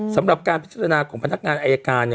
สำหรับการพิจารณาของพนักงานอายการ